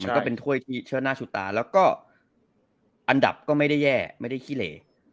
ก็เป็นถ้วยที่เชื่อหน้าชิดตาแล้วก็อันดับก็ไม่ได้แย่ไม่ได้ขี้เหล